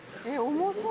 重そう。